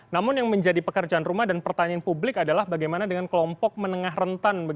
namun yang menjadi pekerjaan rumah dan pertanyaan publik adalah bagaimana dengan kelompok menengah rentan